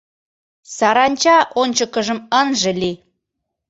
САРАНЧА ОНЧЫКЫЖЫМ ЫНЖЕ ЛИЙ